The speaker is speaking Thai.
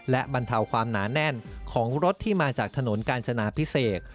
และบรรเทาความหนาแน่นของรถที่มาจากถนนกาญจนาพิเศษ